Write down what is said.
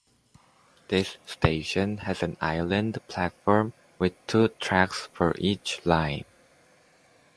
This station has an island platform with two tracks for each line.